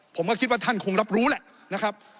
ผมก็คิดว่าท่านคงรับรู้แหละนะครับ